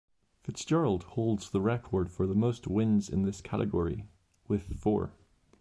Fitzgerald holds the record for the most wins in this category, with four.